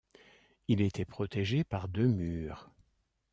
Il était protégé par deux murs.